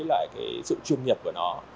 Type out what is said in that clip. lại cái sự chuyên nghiệp của nó